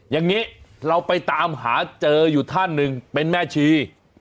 อย่างนี้เราไปตามหาเจออยู่ท่านหนึ่งเป็นแม่ชี